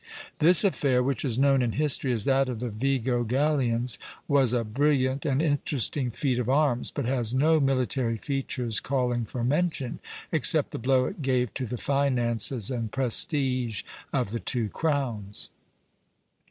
This affair, which is known in history as that of the Vigo galleons, was a brilliant and interesting feat of arms, but has no military features calling for mention, except the blow it gave to the finances and prestige of the two crowns.